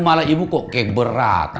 malah ibu kok kayak berat